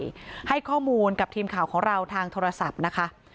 ให้ข้อมูลกับทีมข่าวของเราทางโทรศัพท์นะคะ